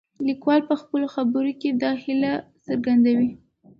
لیکوال په خپلو خبرو کې دا هیله څرګندوي.